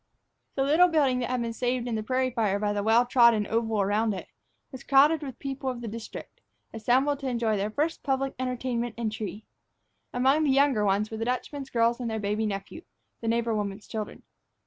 The little building, that had been saved in the prairie fire by the well trodden oval around it, was crowded with the people of the district, assembled to enjoy their first public entertainment and tree. Among the younger ones were the Dutchman's girls and their baby nephew, the neighbor woman's children.